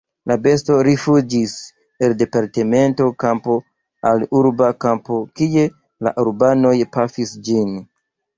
La besto rifuĝis el departementa kampo al urba kampo, kie la urbanoj pafis ĝin.